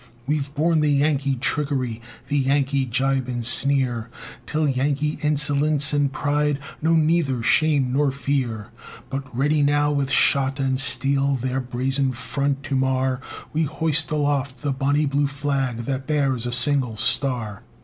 We've borne the Yankee trickery, The Yankee gibe and sneer, Till Yankee insolence and pride Know neither shame nor fear; But ready now with shot and steel Their brazen front to mar, We hoist aloft the Bonnie Blue Flag That bears a single star.